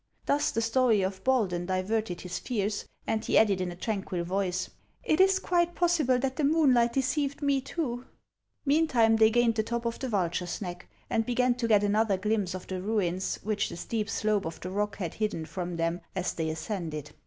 Thus the story of Baldan diverted his fears, and he added in a tranquil voice, " Tt is quite possible that the moonlight deceived me too." Meantime, they gained the top of the Vulture's Xeck, and began to get another glimpse of the ruins, which the steep slope of the rock had hidden from them as they ascended.